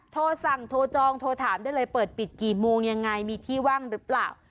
โทรสั่งโทรจองโทรถามได้เลยเปิดปิดกี่โมงยังไงมีที่ว่างหรือเปล่า